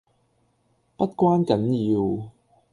不關緊要